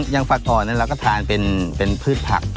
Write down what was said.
อย่างผักอ่อนเราก็ทานเป็นพืชผัก